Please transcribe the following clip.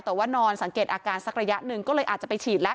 แต่ว่านอนสังเกตอาการสักระยะหนึ่งก็เลยอาจจะไปฉีดแล้ว